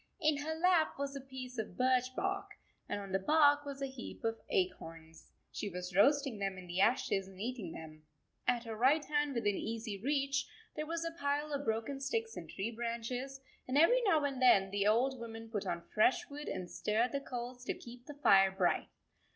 In her lap was a piece of birch bark, and on the bark was a heap of acorns. She was roasting them in the ashes and eating them. At her right hand, within easy reach, there was a pile of broken sticks and tree branches, and every now and then the old woman put on fresh wood and stirred the coals to keep the fire bright.